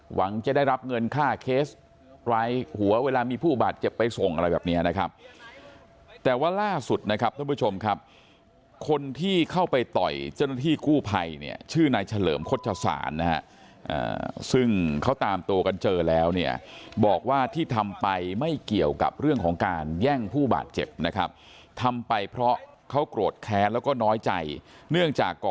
จะได้รับเงินค่าเคสร้ายหัวเวลามีผู้บาดเจ็บไปส่งอะไรแบบเนี้ยนะครับแต่ว่าล่าสุดนะครับท่านผู้ชมครับคนที่เข้าไปต่อยเจ้าหน้าที่กู้ภัยเนี่ยชื่อนายเฉลิมโฆษศาลนะฮะซึ่งเขาตามตัวกันเจอแล้วเนี่ยบอกว่าที่ทำไปไม่เกี่ยวกับเรื่องของการแย่งผู้บาดเจ็บนะครับทำไปเพราะเขาโกรธแค้นแล้วก็น้อยใจเนื่องจากก